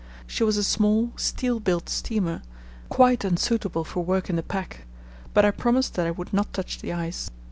She was a small steel built steamer, quite unsuitable for work in the pack, but I promised that I would not touch the ice.